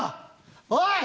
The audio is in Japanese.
おい！